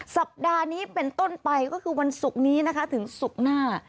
สัปดาห์นี้เป็นต้นไปก็คือวันศุกร์นี้นะคะถึงศุกร์หน้า